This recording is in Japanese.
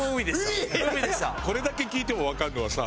これだけ聞いてもわかるのはさ